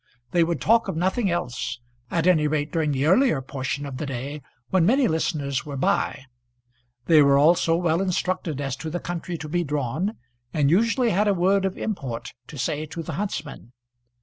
They would talk of nothing else, at any rate during the earlier portion of the day, when many listeners were by. They were also well instructed as to the country to be drawn, and usually had a word of import to say to the huntsman.